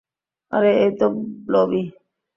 আরে, এই তো ব্লবি।